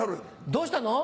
どうしたの？